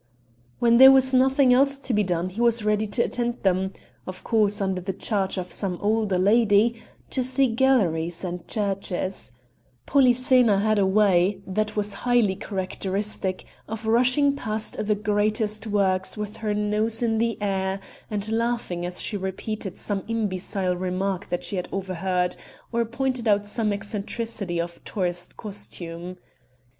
When there was nothing else to be done he was ready to attend them of course, under the charge of some older lady to see galleries and churches, Polyxena had a way, that was highly characteristic, of rushing past the greatest works with her nose in the air and laughing as she repeated some imbecile remark that she had overheard, or pointed out some eccentricity of tourist costume.